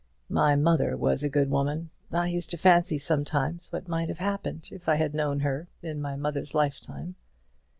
"My mother was a good woman. I used to fancy sometimes what might have happened if I had known her in my mother's lifetime.